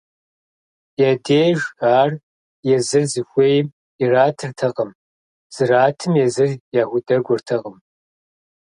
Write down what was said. Я деж ар езыр зыхуейм иратыртэкъым, зратым езыр яхудэкӏуэртэкъым.